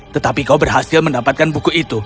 tetapi kau berhasil mendapatkan buku itu